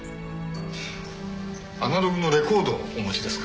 アナログのレコードをお持ちですか？